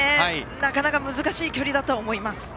なかなか難しい距離だと思います。